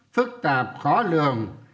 phức tạp khó lường